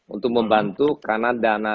untuk membantu karena dana